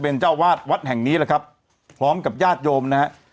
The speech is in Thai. เป็นเจ้าวาดวัดแห่งนี้แหละครับพร้อมกับญาติโยมนะฮะ